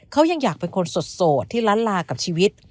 เขายังอยากเป็นคนโสดที่ล้านลากับชีวิต